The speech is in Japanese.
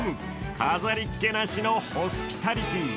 飾りっ気なしのホスピタリティー。